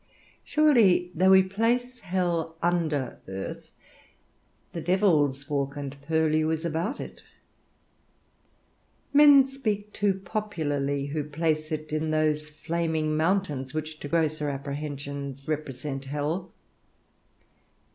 Surely, though we place hell under earth, the Devil's walk and purlieu is about it; men speak too popularly who place it in those flaming mountains which to grosser apprehensions represent hell.